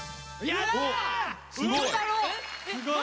おすごい！